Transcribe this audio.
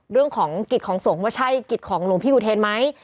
เรื่องของกิจของสงฆ์ว่าใช่กิจของหลวงพี่อุเทนไหม